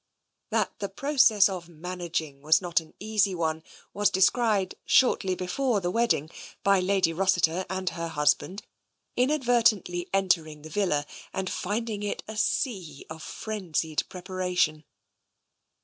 That the process of " managing " was not an easy one was descried shortly before the wedding by Lady Rossiter and her husband, inadvertently entering the villa and finding it a sea of frenzied preparation.